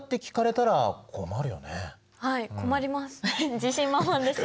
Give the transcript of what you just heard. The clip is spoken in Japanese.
はい困ります！